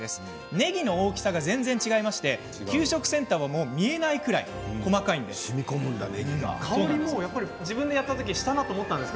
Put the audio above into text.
ねぎの大きさが全然違って給食センターは見えないくらい細かいですよね。